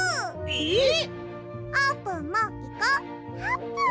えっ！？